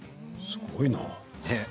すごいな。